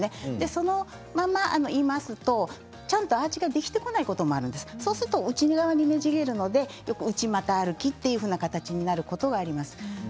そのままいますとちゃんとアーチができてこないこともあるんです、そうすると内側にねじれるのでよく内股歩きということになります。